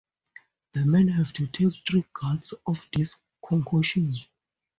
The men have to take three gulps of this concoction.